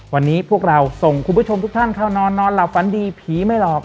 วันนี้พวกเราส่งคุณผู้ชมทุกท่านเข้านอนนอนหลับฝันดีผีไม่หลอก